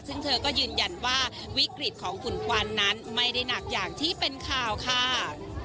ซึ่งเธอก็ยืนยันว่าวิกฤตของฝุ่นควันนั้นไม่ได้หนักอย่างที่เป็นข่าวค่ะ